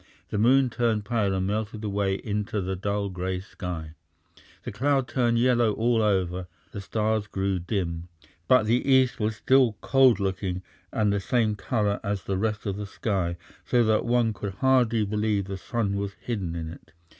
The moon turned pale and melted away into the dull grey sky, the cloud turned yellow all over, the stars grew dim, but the east was still cold looking and the same colour as the rest of the sky, so that one could hardly believe the sun was hidden in it.